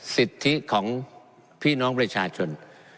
สิทธิของพี่น้องประชาชน